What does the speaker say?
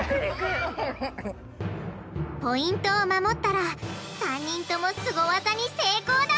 ポイントを守ったら３人ともスゴ技に成功だ！